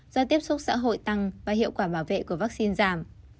do tiếp xúc xã hội tăng và hiệu quả bảo vệ của vaccine giảm